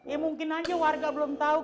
ya mungkin aja warga belum tahu